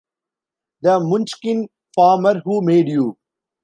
The Munchkin farmer who made you?